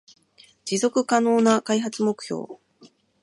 持続可能な開発目標